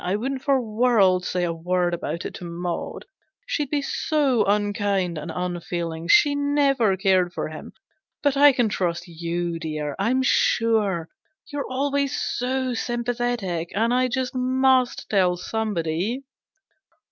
I wouldn't for worlds say a word about it to Maud she'd be so unkind and unfeeling : she never cared for him ; but I can trust you 9 dear, I'm sure : you're always so sympathetic, and I just must tell somebody.